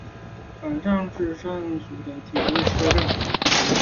坂之上站指宿枕崎线的铁路车站。